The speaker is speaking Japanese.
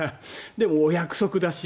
でも、お約束だし。